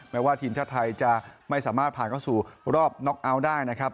ว่าทีมชาติไทยจะไม่สามารถผ่านเข้าสู่รอบน็อกเอาท์ได้นะครับ